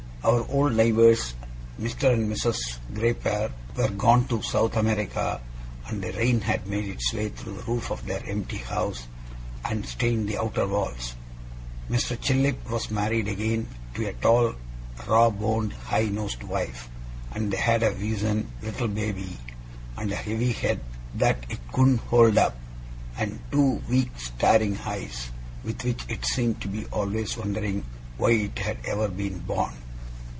Our old neighbours, Mr. and Mrs. Grayper, were gone to South America, and the rain had made its way through the roof of their empty house, and stained the outer walls. Mr. Chillip was married again to a tall, raw boned, high nosed wife; and they had a weazen little baby, with a heavy head that it couldn't hold up, and two weak staring eyes, with which it seemed to be always wondering why it had ever been born.